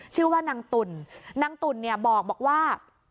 ชื่อว่านางตุ่นนางตุ่นเนี่ยบอกว่า